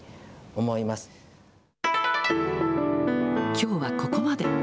きょうはここまで。